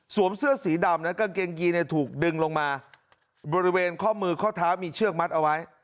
เสื้อสีดำและกางเกงยีเนี่ยถูกดึงลงมาบริเวณข้อมือข้อเท้ามีเชือกมัดเอาไว้